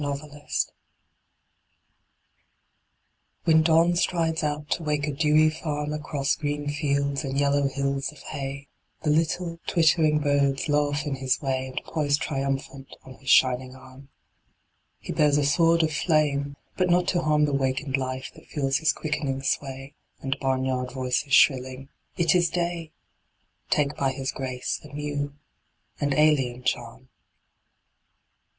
Alarm Clocks When Dawn strides out to wake a dewy farm Across green fields and yellow hills of hay The little twittering birds laugh in his way And poise triumphant on his shining arm. He bears a sword of flame but not to harm The wakened life that feels his quickening sway And barnyard voices shrilling "It is day!" Take by his grace a new and alien charm.